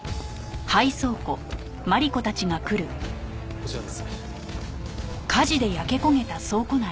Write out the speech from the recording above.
こちらです。